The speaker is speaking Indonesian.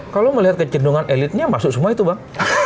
kalau melihat kecendungan elitnya masuk semua itu bang